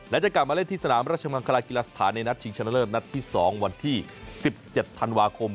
และจะกลับมาเล่นที่สนามราชมังคลากีฬาสถานในนัดชิงชนะเลิศนัดที่๒วันที่๑๗ธันวาคม